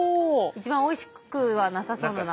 一番おいしくはなさそうな名前。